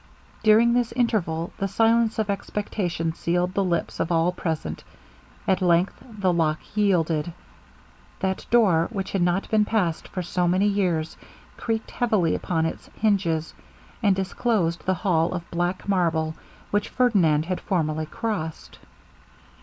During this interval, the silence of expectation sealed the lips of all present. At length the lock yielded. That door which had not been passed for so many years, creaked heavily upon its hinges, and disclosed the hall of black marble which Ferdinand had formerly crossed.